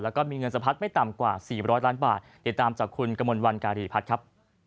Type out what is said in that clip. แล้วก็มีเงินสะพัดไม่ต่ำกว่า๔๐๐ล้านบาทติดตามจากคุณกมลวันการีพัฒน์ครับ